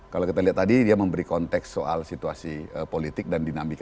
kalau kita lihat tadi dia memberi konteks soal situasi politik dan dinamika